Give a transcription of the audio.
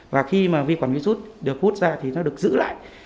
và khi mà vi khuẩn virus được hút ra thì nó được giữ lại